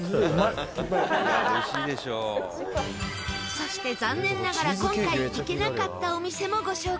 そして残念ながら今回行けなかったお店もご紹介。